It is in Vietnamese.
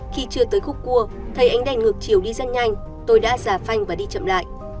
khi chưa tới khúc cua thầy anh đành ngược chiều đi rất nhanh tôi đã giả phanh và đi chậm lại